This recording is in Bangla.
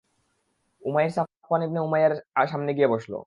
উমাইর সাফওয়ান ইবনে উমাইয়ার সামনে গিয়ে বসল।